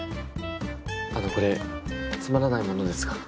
あのこれつまらないものですが。